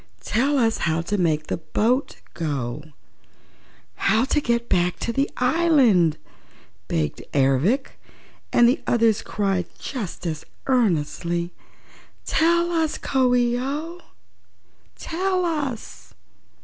"Tell us how to make the boat go how to get back into the island," begged Ervic and the others cried just as earnestly: "Tell us, Coo ee oh; tell us!"